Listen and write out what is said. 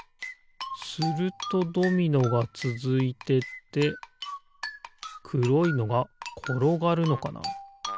するとドミノがつづいてってくろいのがころがるのかな。